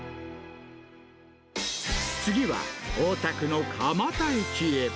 次は、大田区の蒲田駅へ。